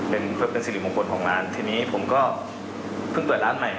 เป็นเพื่อเป็นสิริมงคลของร้านทีนี้ผมก็เพิ่งเปิดร้านใหม่